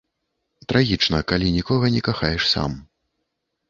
Трагічна, калі нікога не кахаеш сам.